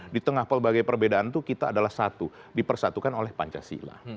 di tengah pelbagai perbedaan itu kita adalah satu dipersatukan oleh pancasila